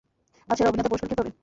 আজ সেরা অভিনেতার পুরস্কার কে পাবে?